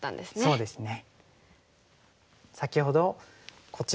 そうですね。